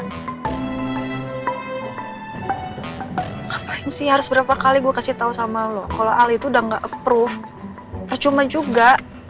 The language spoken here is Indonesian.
ngapain sih harus berapa kali gue kasih tau sama lo kalau ali itu udah gak approve percuma juga